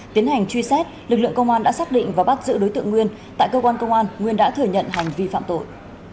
tiến hành truy xét lực lượng công an đã xác định và bắt giữ đối tượng nguyên tại cơ quan công an nguyên đã thừa nhận hành vi phạm tội